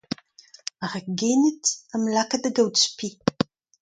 Ar gened a'm laka da gaout spi.